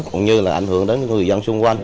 cũng như là ảnh hưởng đến người dân xung quanh